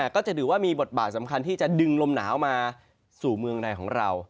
ก็จะถือว่ามีบทบาทสำคัญที่จะดึงลมหนาวมาสู่เมืองในของเรา